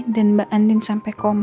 dan mbak andin sampai koma